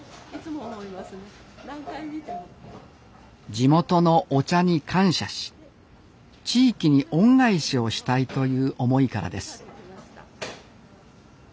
地元のお茶に感謝し地域に恩返しをしたいという思いからです